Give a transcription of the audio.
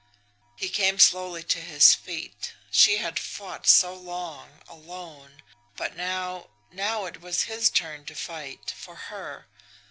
He came slowly to his feet. She had fought so long alone. But now now it was his turn to fight for her.